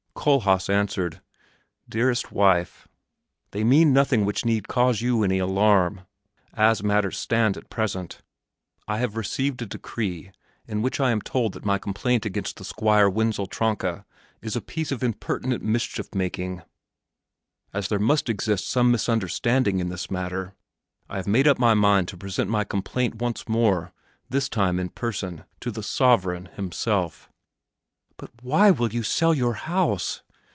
Kohlhaas answered, "Dearest wife, they mean nothing which need cause you any alarm, as matters stand at present. I have received a decree in which I am told that my complaint against the Squire Wenzel Tronka is a piece of impertinent mischief making. As there must exist some misunderstanding in this matter, I have made up my mind to present my complaint once more, this time in person, to the sovereign himself." "But why will you sell your house?"